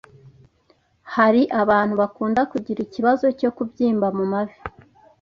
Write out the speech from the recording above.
Hari abantu bakunda kugira ikibazo cyo kubyimba mu mavi